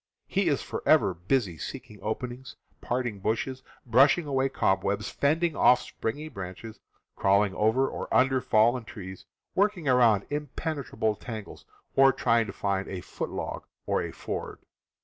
He is forever busy seeking openings, parting bushes, brushing away cobwebs, fending off springy branches, crawling over or under fallen trees, working around impenetrable tangles, or trying to find a foot log or a ford.